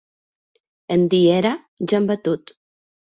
En dir era, ja hem batut.